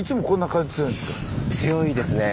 強いですね。